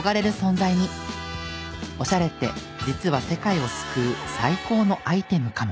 オシャレって実は世界を救う最高のアイテムかも。